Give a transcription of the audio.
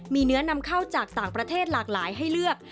มีเนื้อนำเข้าจากต่างประเทศหลากหลายให้เลือก